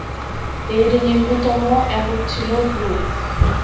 এর নিম্নতম একক ছিল "গ্রুপ"।